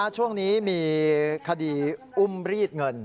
ช่วงนี้มีคดีอุ้มรีดเงิน